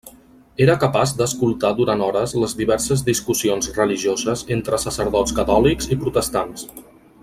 Era capaç d'escoltar durant hores les diverses discussions religioses entre sacerdots catòlics i protestants.